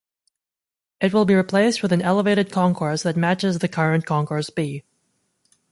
It will be replaced with an elevated concourse that matches the current Concourse B.